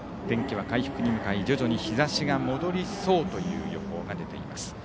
天気は回復に向かい徐々に日ざしが戻りそうという予報が出ています。